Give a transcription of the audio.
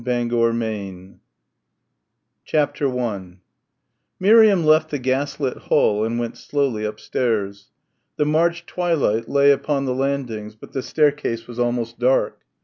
POINTED ROOFS CHAPTER I 1 Miriam left the gaslit hall and went slowly upstairs. The March twilight lay upon the landings, but the staircase was almost dark.